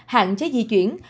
hạn chế di chuyển